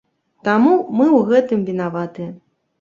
Таму мы ў гэтым вінаватыя.